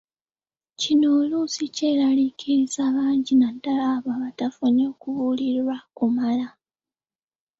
Kino oluusi kyeraliikiriza bangi naddala abo abatafunye kubuulirirwa kumala.